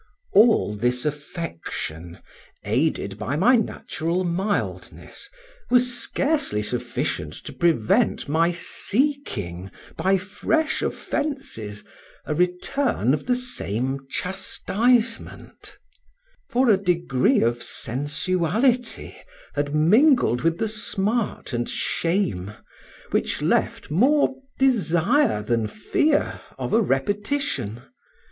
All this affection, aided by my natural mildness, was scarcely sufficient to prevent my seeking, by fresh offences, a return of the same chastisement; for a degree of sensuality had mingled with the smart and shame, which left more desire than fear of a repetition.